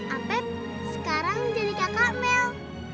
abed sekarang jadi kakak mel